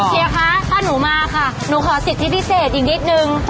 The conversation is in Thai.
เฮียคะถ้าหนูมาค่ะหนูขอสิทธิพิเศษอีกนิดนึง